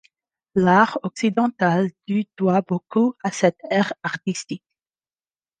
L'art occidental du doit beaucoup à cette aire artistique.